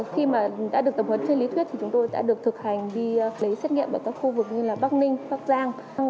khi mà đã được tập huấn trên lý thuyết thì chúng tôi đã được thực hành đi lấy xét nghiệm ở các khu vực như là bắc ninh bắc giang